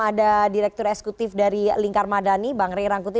ada direktur eksekutif dari lingkar madani bang ray rangkuti